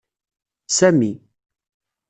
Sami.